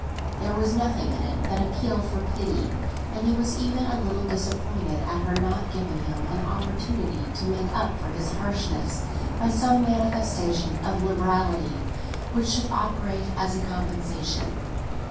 There was nothing in it that appealed for pity, and he was even a little disappointed at her not giving him an opportunity to make up for his harshness by some manifestation of liberality which should operate as a compensation.